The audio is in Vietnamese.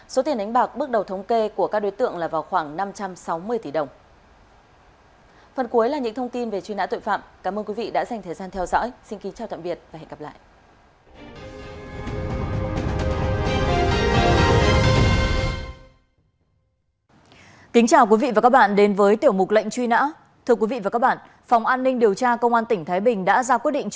số tiền đánh bạc bước đầu thống kê của các đối tượng là khoảng năm trăm sáu mươi tỷ đồng